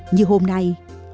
như hôm nay